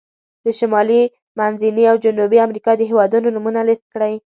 د شمالي، منځني او جنوبي امریکا د هېوادونو نومونه لیست کړئ.